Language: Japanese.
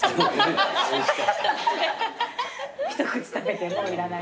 一口食べてもういらない？